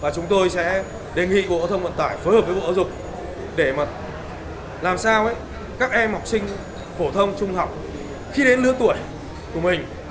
chúng tôi sẽ đề nghị bộ thông vận tải phối hợp với bộ giáo dục để làm sao các em học sinh phổ thông trung học khi đến lứa tuổi của mình